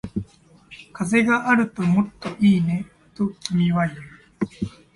風があるともっといいね、と君は言う